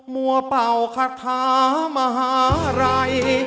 มัวเป่าคาทามหาลัย